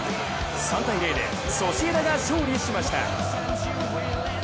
３−０でソシエダが勝利しました。